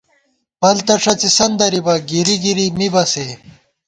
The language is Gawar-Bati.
پَل تہ ݭڅِسن درِبہ ، گِری گری مِبہ سے